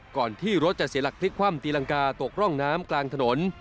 ก่อนที่รถจะเสียหลักพลิกคว่ำตีรังกาตกร่องน้ำกลางถนน